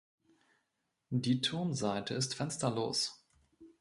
Die Turmseite ist fensterlos.